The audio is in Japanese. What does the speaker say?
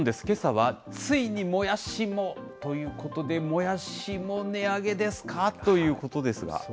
けさは、ついにもやしもということで、もやしも値上げですか？ということですが。